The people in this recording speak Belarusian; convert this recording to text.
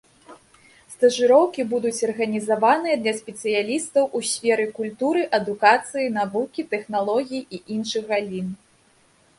Стажыроўкі будуць арганізаваныя для спецыялістаў у сферы культуры, адукацыі, навукі, тэхналогій і іншых галін.